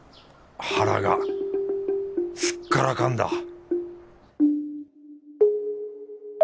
腹がすっからかんだ！